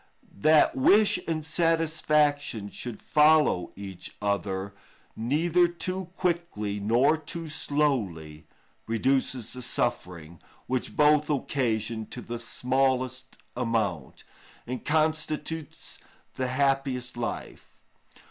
That wish and satisfaction should follow each other neither too quickly nor too slowly reduces the suffering, which both occasion to the smallest amount, and constitutes the happiest life.